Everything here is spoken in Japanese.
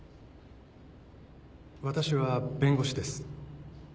私は弁護士です。